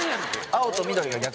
青と緑が逆。